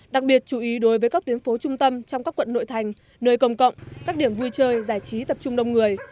đặc biệt chú ý đối với các tuyến phố trung tâm trong các quận nội thành nơi công cộng các điểm vui chơi giải trí tập trung đông người